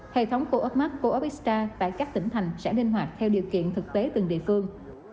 hệ thống co op mart co op x star tại các tỉnh thành sẽ liên hoạt theo điều kiện thực tế từng địa phương